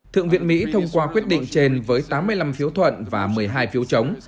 thượng viện mỹ thông qua quyết định trên với tám mươi năm phiếu thuận và một mươi hai phiếu chống